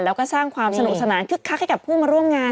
แล้วก็ความสนุกซะหนังคือนิกัดให้กับผู้มาร่วมงาน